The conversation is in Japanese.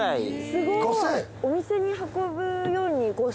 すごい。